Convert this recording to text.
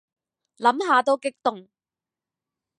諗下都激動